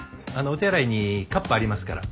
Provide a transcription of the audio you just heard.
お手洗いにカップありますから。